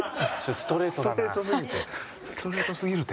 ストレートすぎるって！